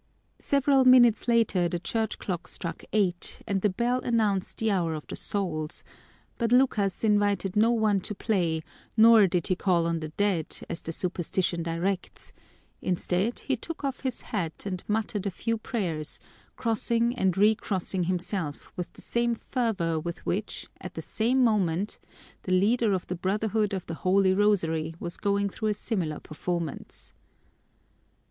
Several minutes later the church clock struck eight and the bell announced the hour of the souls, but Lucas invited no one to play nor did he call on the dead, as the superstition directs; instead, he took off his hat and muttered a few prayers, crossing and recrossing himself with the same fervor with which, at that same moment, the leader of the Brotherhood of the Holy Rosary was going through a similar performance.